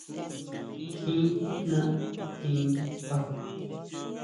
Kjín tijna tjinguinkʼa.